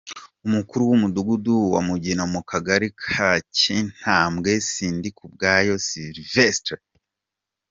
Umukuru w’Umudugudu wa Mugina mu Kagari ka Kintambwe, Sindikubwaho Syvestre